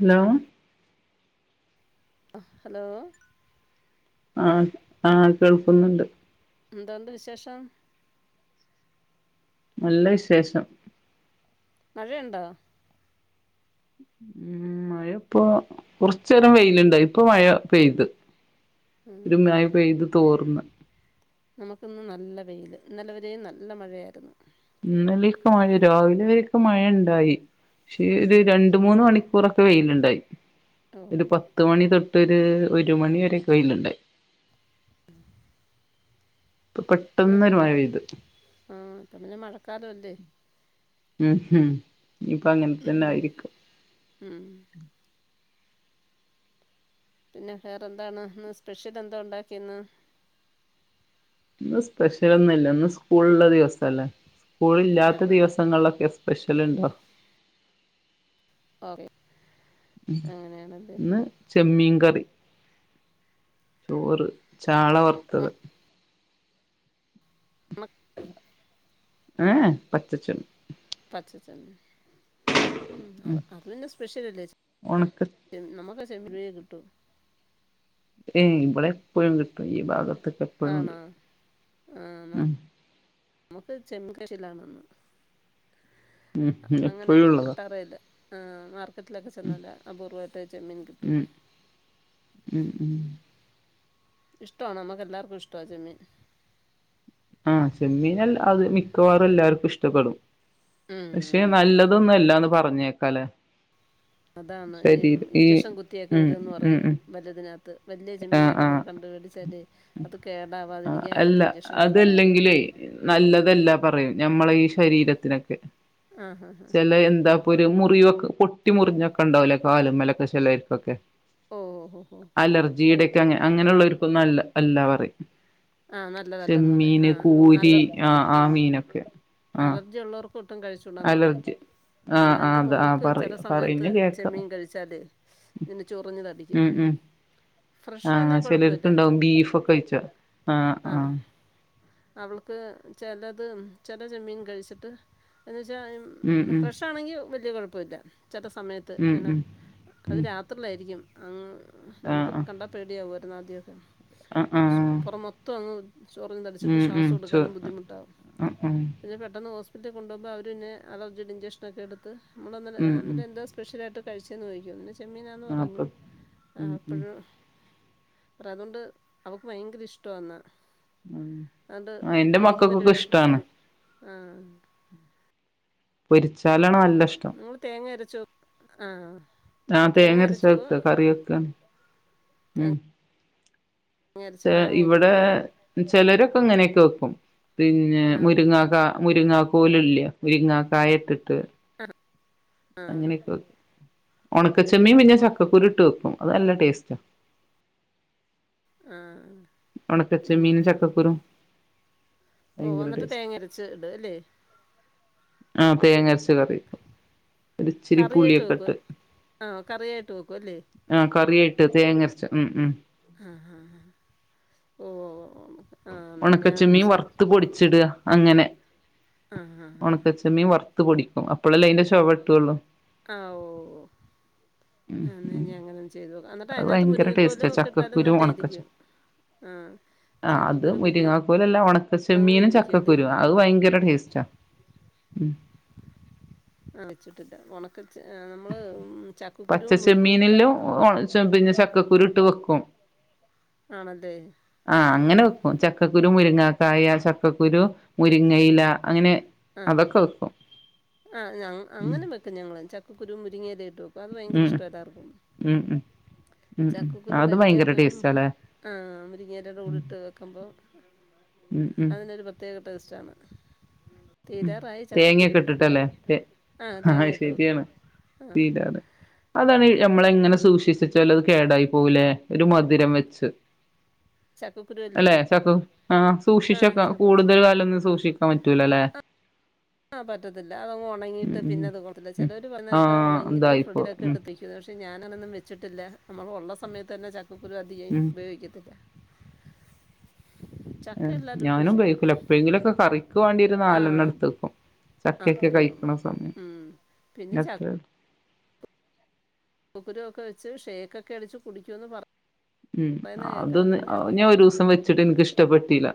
Hello ആഹ് hello ആഹ് ആഹ് കേൾക്കുന്നുണ്ട് എന്തുണ്ട് വിശേഷം നല്ല വിശേഷം മഴയുണ്ടോ ഉം മഴപ്പോ കൊറച്ചേരം വെയില്ണ്ടായി ഇപ്പ മഴ പെയ്ത് ഉം ഒരു മയ പെയ്ത് തോർന്ന് നമക്കിന്ന് നല്ലവെയില് ഇന്നലെവരെയും നല്ല മഴയാരുന്നു ഇന്നലീക്ക മഴ രാവിലെക്കും മഴണ്ടായി പക്ഷെ ഉം ഒരു ഉം ര ണ്ട് മൂന്ന് മണിക്കൂറൊക്കെ വെയില്ണ്ടായി ഒരു ഓഹോ പ ത്ത് മണി തൊട്ടൊരൂ ഒരു മണിവരെക്കെ വെയില്ണ്ടായി ഇപ്പൊ പെട്ടെന്നൊരു പിന്നെന്തൊക്കെ മഴ പെയ്ത് ആഹ് ഇപ്പ പിന്നെ മഴക്കാലൊല്ലേ. ഉം ഉം ഇനിപ്പൊ ഉം ഉം അങ്ങൻതന്നായിര്ക്കും. ഉം പിന്നെ വേറെന്താണ് ഇന്ന് സ്പെഷ്യലെന്താ ഉണ്ടാക്കിന്ന്? ഇന്ന് സ്പെഷ്യലൊന്ന്ല്ല ഇന്ന് സ്കൂള് ള്ള ദിവസല്ലേ ആ സ്കൂളില്ലാത്ത ഹാ ദിവസങ്ങൾലൊക്കെ സ്പെഷല്ണ്ടൊ? ഓക്കേ ന്ന് ചെമ്മീൻ കറി ചോറ് ചാള വർത്തത് മ ഏ ഹേ പച്ചച്ച പച്ചച്ചമ്മി മ് അ ഉം അത് പിന്നെ സ്പെഷ്യലല്ലേ ഒണക്ക ൻ നമക്ക് ചെമ്മീനെ കിട്ടൂ ഏ ഇവടെ എപയും കിട്ടും ഈ ഭാഗത്തക്കെ ആണോ ആഹ് [unintelligible] നമുക്ക് ചെമ് കശ് ലാണന്ന് ഉം അങ്ങനെ എപ്പോഴും ഉള്ളതാ കിട്ടാറേല്ല ആഹ് മർ കറ്റ്ലൊക്ക ചെന്നാല അപൂർവായിട്ടെ ചെമ്മീൻ കിട്ടും ഉം ഉം ഉം മ് ഇഷ്ടാ നമുക്ക് എല്ലാർക്കും ഇഷ്ടാ ചെമ്മീൻ ആ ചെമ്മീനൽ അത് മിക്കവാറു എല്ലാർക്കും ഇഷ്ടപ്പെടും പക്ഷെ ഉം നല്ലതൊന്ന്അല്ലാന്ന് പറഞ്ഞേക്ക ലെ അതാന്ന് ഈ ഈ ഇഞ്ചക്ഷൻ കുത്തിയൊക്കെ ഉം വരൊന്ന് ഉം പറയും. ഉം വല്യതിനാത്ത് വല്യ ആ ചെമ്മീനൊക്കെ ആ നമ്മൾ കണ്ടപടി തന്നെ അത് കേടാവാതിരിക്കാ അയ്നത്ത് ഇഞ്ചക്ഷൻ കു ല്ലെങ്കിലേ നല്ലതല്ല പറയും ഞമ്മളീ ശരീരത്തിനൊക്കെ ആ ഹാ ഹാ ചെലെ എന്താ പ്പൊര് മുറിവൊക് പൊട്ടി മുറിഞ്ഞൊക്കെ ണ്ടാവുലെ കാലുമ്മലൊക്കെ ചെലൊൽകൊക്കെ ഓ ഹൊ ഹൊ അലർജിയ്ടെക്കെ അങ്ങ അങ്ങനെള്ളൊർക്കൊന്നും അല്ല അല്ലാ പറയ് ആ നത് ചെമ്മീന് കൂരി അ ആഹ് മീനൊക്കെ ആ അലർജി ഉള്ളോർ ഒട്ടും കഴിച്ചൂടാന്ന് പറയ് അലർജി ആ എൻ്റെ അത് ആ മോൾക്ക് പറയ ചെല സമയത്ത് പറയുന്ന കേക്കാം ചെമ്മീൻ കഴി ച്ചാലെ ഇങ്ങനെ ചൊറിഞ്ഞ് തടിക്കും ആഹ് ഫ്രഷാണേൽ കുഴപ്പമില്ല ചെലോർക്ക് ണ്ടാവും ബീഫൊക്കെ കയ്ച്ചാ ആഹ് ആഹ് ആ അവൾക്ക് ചെലത് ചെല ചെമ്മീൻ കയ്ച്ചിട്ട് എന്നച്ചാ ഉം ഉം ഫ്രഷാണെങ്കി വല്യ കൊഴപ്പല്ല ചെല സമയത്ത് ഉം ങ്ങനെ ഉം അത് ഉം രാ ത്രിലാര്ക്കും അങ്ങ് ആ നമുക്ക് ആ കണ്ടാ പേട്യാകുയാര്ന്ന് ആദ്യൊക്കെ ആ ആ [inaudible] പൊറംമൊ ത്തങ്ങ് ചൊറിഞ്ഞ് തട്ചിട്ട് ശ്വാസട്കാനും ബദ്ധിമുട്ടാവും ആഹ് ആഹ് പിന്നെ പെട്ടൊന്ന് ഹോസ്പിറ്റലിൽ കൊണ്ടോവ്മ്പ അവര് പിന്ന അലർജിയ്ടെ ഇന്റക്ഷനൊക്കെടുത്ത് നമ്മള്ന്ന് രെ ഉം ഉം രന്താ സ്പെഷ്യലായ്ട്ട് കയ്ച്ചെന്ന് ചോയ്ക്കും പിന്നെ ചെമ്മീനാന്ന് ആ പറഞ്ഞു അപ്പം ആ ഉം ഉം അപ്പഴും പ്രതൊണ്ട് അവക്ക് ഭയങ്കര ഇഷ്ടാന്നാ ഉം ആണ്ട് ആഹ് എന്റെ മേടിക്കുമ്പൊര് മക്കൾക്കൊക്കെ വെഷ് ഇഷ്ടാണ് ആഹ് പൊരിച്ചാലാണ് നല്ല ഇഷ്ടം ങ്ങള് തേങ്ങരച്ചു വെ ആഹ് ആ തേങ്ങര്ച്ച വെക്ക കറി വെക്ക മ് തേങ്ങ അരച്ച് ക്ഷേ മാങ്ങയൊക്കെ ഇട്ട് ഇവടെ വെക്കുവോ ചെലരൊക്കെ ഇങ്ങനെയൊക്കെ വെക്കും. പിന്നെ ആ മുരിങ്ങാക മുരിങ്ങ കോല് ല്ലെ മുരിങ്ങ കായക്കെട്ട് ആഹ് അങ്ങനെ ക്കെ വെക്കും ഒണക്കച്ചെമീൻ പിന്നെ ചക്കക്കുരുട്ട് വെക്കും അത് നല്ല ടേസ്റ്റാ ആഹ് ഒണക്ക ചെമ്മീനും ചക്കക്കുരും ഓ ഭയങ്കര എന്നട്ട് ടേസ്റ്റ് തേങ്ങരച്ച്‌ ട് അല്ലേ ആ തേങ്ങ അരച്ച്‌ കറി വെക്കും ഒര്ച്ചിരി പുളിയൊക്കെട്ട് പുളി ഇട്ട് വെക്കുവല്ലേ ആ കറിയിട്ട് തേങ്ങരച്ച് ഉം ഉം ആഹ് ഹ ഹ ഓ ഒ നമ് ഒണക്കചെമ്മീൻ വർത്ത് പൊടിച്ച്‌ട്ക അങ്ങനെ ആഹ് ഹ ഹ ചെമ്മീം വർത്ത്പൊടിക്കും അപ്പളല്ലേ അയ്ന്റ ചൊവ കിട്ട്വോള്ളൂ അഹ്ഓ ഓ ഉം ആ ഉം എന്നെനി അങ്ങനെന്ന് ചെയ്ത് നോക്കാം അന്നട്ട് അത് അയ്നാത്ത് ഭയങ്കര മുരിങ്ങക്കോലു ടേസ്റ്റാ ഒക്ക ഇട്ടാലും ചക്കക്കുരു ഉണക്കച്ച നല്ലെരിക്കും ആഹ് ആ അത് ചക്കക്കുരു കുക്കർ മുരിങ്ങാക്കോലല്ല ലങ്ങ് ഉണക്കച്ചെമ്മീനും വേവിക്കാല്ലേ ചക്കക്കുരു അത് ഭയങ്കര ടേസ്റ്റാ ഉ ആ വെച്ച്‌ട്ടട്ട് ഇല്ല ഒണക്ക ചെ അമ്മള് ഉം ചക്കക്കുരുവും മുരിങ്ങേക്ക ചെമ്പ്ന്റ ചക്കക്കുരു ഇട്ട് വെക്കും ആണല്ലേ ആ അങ്ങന വെക് കും ചക്കക്കുരു മുരുങ്ങാക്കായ ചക്കക്കുരു മുരിങ്ങയ്ല ആഹ് ആഹ് ഞ ഉം അങ്ങന വെക് ക്കും ഞങ്ങള് ചക്കക്കുരു മുരിങ്ങേലയിട്ട് വെക്കു അത് ഭയങ്കര ഉം ഇഷ്ടല്ലാർക്കും ഉം ഉം ഉം ഉം ചക്കക്കുരു അത് ഭയങ്കര കഴിക്കാത്തവരും ടേസ്റ്റാല്ലേ ആഹ് മുരിങ്ങേലട കൂടിട്ട് വെക്ക്മ്പോ ഉം ഉം അതിനൊര് പ്രത്യേക ടേസ്റ്റാണ് ഉ തീരാറായി ചക്കക്കുരു തേങ്ങെക്ക ഇട്ടിട്ടല്ലേ എ ആ ആഹ് തേങ്ങ ഇട്ട് വെക്കും ശരിയാണ് ആ തീലെറെ അതാണീ ആ, ച- ഞമ്മളങ്ങന സൂക്ഷിച്ച്‌ വെച്ചാലു അത് കേടായി പോവ് ലെ ഒര്മധുരം വെച്ച് ചക്കക്കുരു അല്ലേ അല്ലെ ചക്കക് ആ ആ സൂക്ഷിച്ച്‌ വെക്ക ചക്ക കൂടുതല് കാലൊന്നും സൂക്ഷിക്കാം പറ്റൂലല്ലെ ആ പറ്റത്തില്ല അതങ്ങ് ഉം ഒണങ്ങീട്ട് ഉം പിന്നത് കൊള്ളത്തില്ല ഉം ചെലര് പറെന്നക്കാ ആഹ് ഒണങ്ങിട്ട് എന്തായിപ്പോ ഫ്രിഡ്ജിലെക്ക ഉം എട്ത്തെവെയ് ഇതോർഷെ ഞാനതൊന്നും വെച്ച്‌ട്ട്ല്ല നമ്മളൊള്ള സമയത്തന്നെ ചക്കക്കുരു അധിയെ ഉം ഉപയോഗിക്കത്തില്ല ചക്ക അ എല്ലാവർക്കും ഇഷ്ടമാണ് ഞാനുപയോക്കുല എപ്പഴെങ്കിലൊക്ക കറിക്ക് വേണ്ടിണ്ട് ആ നാലെണ്ണടുത്ത് അത് വെക്കും ചക്കയെക്ക അത്രേ ഉള്ളു കയ്ക്കണ സമയം ഉം. പിന്നെ എത്രെ ചക്കക്കുരു ഒക്ക വെച്ച് ഷേക്കക്ക അടിച്ച് കുടിക്കൊന്ന് പർ ഉം അതൊന്ന് അത് ഞാ ഒരോസം വെച്ചട്ട് എനിക്ക് ഇഷ്ടപ്പെട്ടീല്ല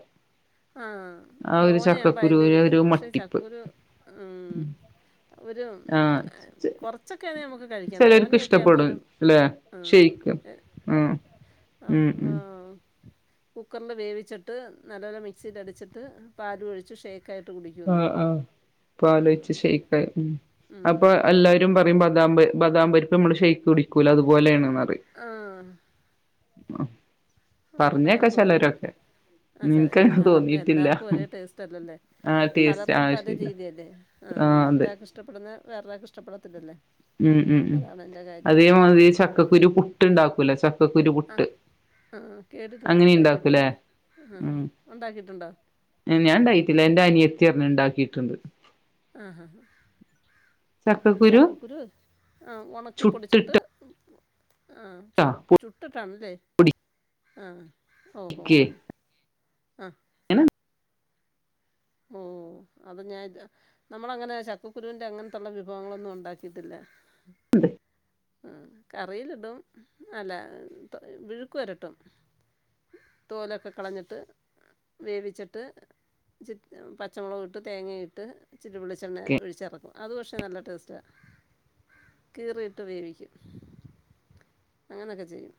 ആഹ് തോനയാവ്മ്പ അയ്ന്റൊര് ഒരു പക്ഷെ മട്ടിപ്പ് ചക്കക്കുരു അമ് ഒരു ആഹ് കൊറച്ചക്കെയാന്നെ നമക്ക് കയ്ക്കാം ചിലർക്ക് തോനെക്ക ഇഷ്ടപ്പെടും ആവ്മ്പോരു അല്ലെ ഉം ഷെയ്ക്ക് എ ഉം അപ് ഉം ങ്ങാ ഉം കുക്കർല് വേവിച്ചട്ട് നല്ലോല മിക് സിലടിച്ചട്ട് പാലു ഒയ്ച്ച് ഷേക്ക് ക്കായ്ട്ട് കുടി ആഹ് അഹ് പാലോയ്ച്ച്‌ ഷേക്കായ് ഉ ഉം. അപ്പ എല്ലാരും പറെം ബദാംമ്പ് ബദാം പരിപ്പമ്മള് ഷേയ്ക്ക് കുടിക്കൂലെ അതുപോലെയാണെന്ന് പറെം ആഹ് ങാഹ അമക്കങ്ങന തോന്നിട്ട്ല്ല അ ചെലെ എനിക്കങ്ങനെ പലർക്കു തോന്നിയിട്ടില്ല എല്ലാർക്കു ഒരേ ടേസ്റ്റല്ലല്ലെ ആഹ് ടേസ്റ്റ് പലർക്കും ആഹ് പല ശരി രീതിയല്ലേ ആ ആഹ് അതെ ഒരാക്കിഷ്ടപ്പെടുന്നെ വേറൊരാക്ക് ഇഷ്ടപ്പെടത്തില്ലല്ല ഉം ഉം ഉ അതേമാതിരി ചക്കക്കുരു പുട്ട് ഇണ്ടാക്ക്വല്ലോ ചക് അഹ് അഹ് ആഹ് കേട്ടിട്ടൊണ്ട് അങ്ങനെ ഉണ്ടാക്കൂലേ ഒണ്ടാക്കിയിട്ടില്ല ഹഹാ ഒണ്ടാക്കിട്ട്ണ്ടോ ഞാ ഞാൻ ഇണ്ടാക്കീറ്റ്ല്ല എന്റ അനിയത്തി പർഞ്ഞു ഇണ്ടാക്കീട്ട്ണ്ട് ആഹാ ചക്കക്കുരു ചക്കകുരു ആഹ് ഉണക്കിപ്പൊടിച്ചിട്ട് ചുട്ടിട്ടാ ആഹ് ചുട്ട് ചുട്ട്ട്ടാണല്ലേ ആഹ് ഓഹോ ഹോ ആ ഇങ്ങനം ഉം അപ്പൊ ഞാൻ ഇത് നമ്മള അങ്ങനെ ചക്കക്കുരുവിന്റെ അങ്ങൻത്തുള്ള വിഭവങ്ങളൊന്നും ഉണ്ടാക്കീട്ടില്ല ഇണ്ട് ആഹ് കറീലിടും അല്ല വിഴുക്ക് വെരട്ടും തോലൊക്കെ കളഞ്ഞ്ട്ട് വേവിച്ച്ട്ട് ചി പച്ചമൊളക്ഇട്ട് തേങ്ങ ഇട്ട് ഇച്ചിരി വെളിച്ചെണ്ണ എന്തൊക്കെ ഒഴിച്ചെറക്കും അത് പക്ഷേ നല്ല ടേസ്റ്റാ കീറിയിട്ട് വേവിക്കും അങ്ങനെക്കെ ചെയ്യും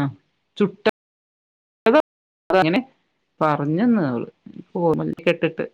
ആഹ് ചുട്ട് അ അങ്ങനെ പറഞ്ഞന്ന അവള് ഓർമല്ല എക്കെഇട്ട്ട്ട്